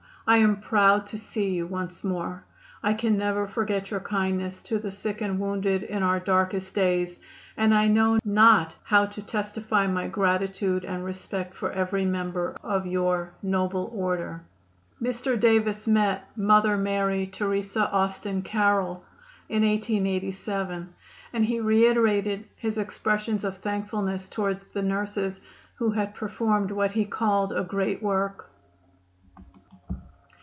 I am proud to see you once more. I can never forget your kindness to the sick and wounded in our darkest days, and I know not how to testify my gratitude and respect for every member of your noble order." Mr. Davis met Mother Mary Teresa Austen Carroll in 1887, and he reiterated his expressions of thankfulness toward the sisters who had performed what he called a great work.